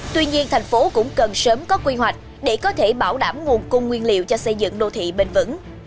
tuy nhiên thành phố cũng cần sớm có quy hoạch để có thể bảo đảm nguồn cung nguyên liệu cho xây dựng đô thị bền vững